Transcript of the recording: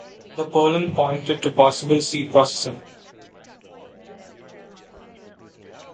The pollen pointed to possible seed processing.